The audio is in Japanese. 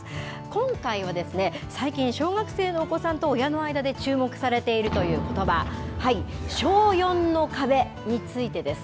今回はですね、最近、小学生のお子さんと親の間で注目されているということば、小４の壁についてです。